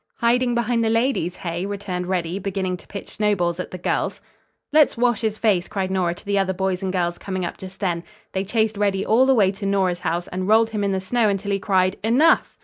"Hiding behind the ladies, hey?" returned Reddy, beginning to pitch snowballs at the girls. "Let's wash his face," cried Nora to the other boys and girls coming up just then. They chased Reddy all the way to Nora's house and rolled him in the snow until he cried "enough."